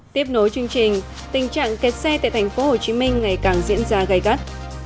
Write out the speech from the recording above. tiếp nối chương trình tình trạng kết xe tại thành phố hồ chí minh ngày càng diễn ra gây gắt